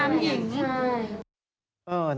ห้องน้ำเองนี่คือครับ